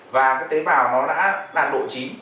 và cái tế bào nó đã đạt độ chính